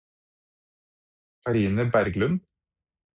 Karine Berglund